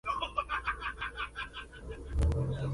El Imperio Otomano construyó un fuerte en el mismo lugar.